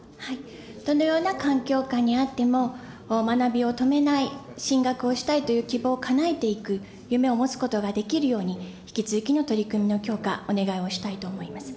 どのような環境下にあっても学びを止めない、進学をしたいという希望をかなえていく、夢を持つことができるように、引き続きの取り組みの強化、お願いをしたいと思います。